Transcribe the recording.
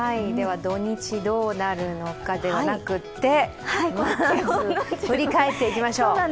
土日どうなるのかではなくて、振り返っていきましょう。